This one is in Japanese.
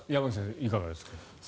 いかがですか？